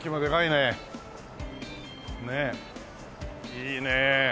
いいね